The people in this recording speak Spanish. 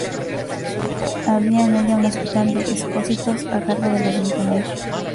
Había en ella un Hospital de expósitos a cargo del Ayuntamiento.